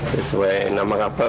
sesuai nama kapal ya